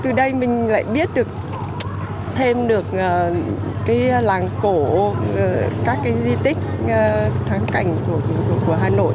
từ đây mình lại biết được thêm được cái làng cổ các cái di tích thắng cảnh của hà nội